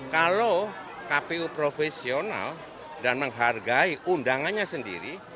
kalau kpu profesional dan menghargai undangannya sendiri